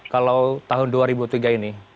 kalau tahun dua ribu tiga ini